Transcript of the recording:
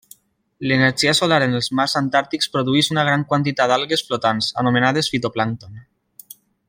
L'energia solar en els mars antàrtics produeix gran quantitat d'algues flotants, anomenades fitoplàncton.